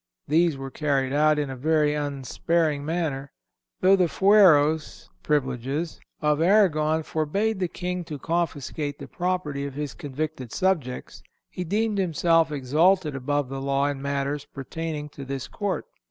These were carried out in a very unsparing manner. Though the fueros (privileges) of Aragon forbade the King to confiscate the property of his convicted subjects, he deemed himself exalted above the law in matters pertaining to this court....